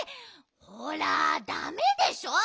ほらだめでしょ。